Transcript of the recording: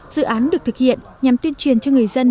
dự án được thực hiện nhằm tuyên truyền cho người dân